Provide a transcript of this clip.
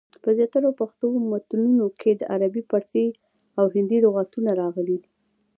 په زیاترو پښتو متونو کي دعربي، پاړسي، او هندي لغتونه راغلي دي.